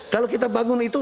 kalau kita bangun itu